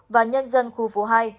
và nhân dân khu phố hai